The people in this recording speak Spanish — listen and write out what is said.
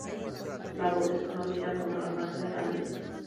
La boda es conocida como "La Farsa de Gandesa".